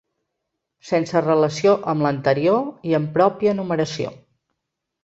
Sense relació amb l'anterior i amb pròpia numeració.